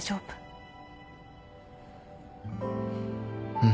うん。